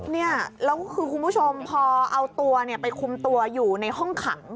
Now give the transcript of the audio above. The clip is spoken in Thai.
เนี่ยแล้วคือคุณผู้ชมพอเอาตัวไปคุมตัวอยู่ในห้องขัง